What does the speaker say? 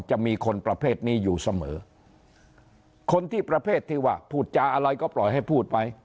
จะมีคนประเภทนี้อยู่เสมอคนที่ประเภทที่ว่าพูดจาอะไรก็ปล่อยให้พูดไป